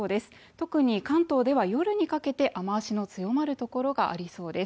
特に関東では夜にかけて雨足の強まる所がありそうです。